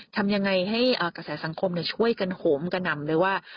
ทำยังไงให้กระแสสังคมช่วยกันโหมกระหน่ำเลยว่า